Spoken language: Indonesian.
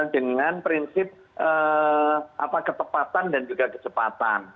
dengan prinsip ketepatan dan juga kecepatan